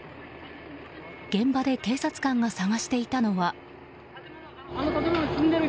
現場で警察官が捜していたのは。